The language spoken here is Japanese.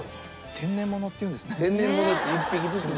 天然物って言うんですね。